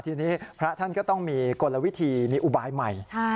ทีนี้พระท่านก็ต้องมีกลวิธีมีอุบายใหม่